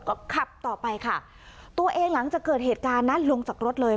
ก็ขับต่อไปค่ะตัวเองหลังจากเกิดเหตุการณ์นั้นลงจากรถเลย